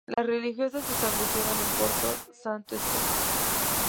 Las religiosas se establecieron en Porto Santo Stefano.